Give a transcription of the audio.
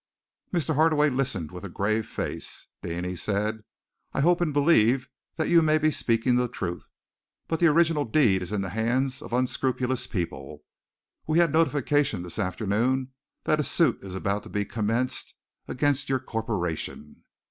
Mr. Hardaway listened with a grave face. "Deane," he said, "I hope and believe that you may be speaking the truth, but the original deed is in the hands of unscrupulous people. We had a notification this afternoon that a suit is about to be commenced against your corporation."